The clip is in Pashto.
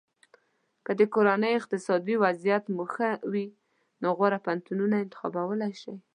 که د کورنۍ اقتصادي وضعیت مو ښه وي نو غوره پوهنتونونه انتخابولی شی.